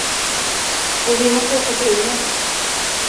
Så vi måste åka till Ungern.